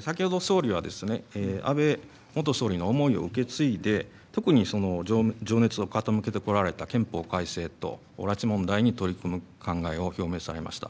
先ほど総理は安倍元総理の思いを受け継いで特に情熱を傾けてこられた憲法改正と拉致問題に取り組む考えを表明されました。